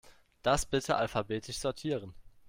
Das bitte alphabetisch sortieren.